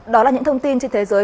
đó là những thông tin trên thế giới